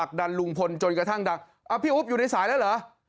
ดันลุงพลจนกระทั่งดังพี่อุ๊บอยู่ในสายแล้วเหรอ